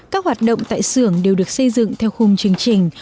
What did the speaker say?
các hoạt động tại xưởng đều được xây dựng theo khung chương trình